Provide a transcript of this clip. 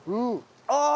ああ！